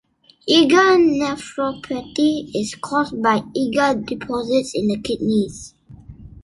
IgA nephropathy is caused by IgA deposits in the kidneys.